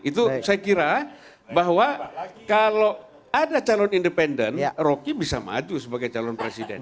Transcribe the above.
itu saya kira bahwa kalau ada calon independen rocky bisa maju sebagai calon presiden